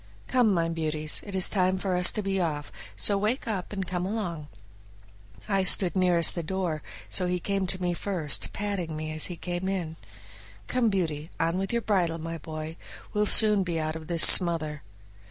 "Come, my beauties, it is time for us to be off, so wake up and come along." I stood nearest the door, so he came to me first, patting me as he came in. "Come, Beauty, on with your bridle, my boy, we'll soon be out of this smother."